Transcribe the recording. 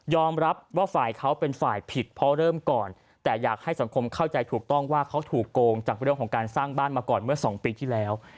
รับว่าฝ่ายเขาเป็นฝ่ายผิดเพราะเริ่มก่อนแต่อยากให้สังคมเข้าใจถูกต้องว่าเขาถูกโกงจากเรื่องของการสร้างบ้านมาก่อนเมื่อสองปีที่แล้ว